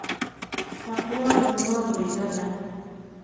تقوا زما وريره ده.